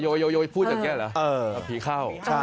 โยโยโยพูดจากแกหรอเออพี่เข้า